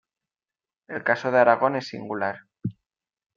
El caso de Aragón es singular.